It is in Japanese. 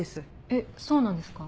えっそうなんですか？